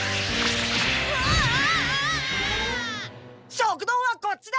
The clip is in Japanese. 食堂はこっちだ！